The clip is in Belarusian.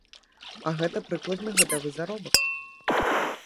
А гэта прыкладна гадавы заробак.